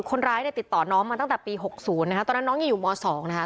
คนร้ายเนี่ยติดต่อน้องมาตั้งแต่ปี๖๐นะคะตอนนั้นน้องยังอยู่ม๒นะคะ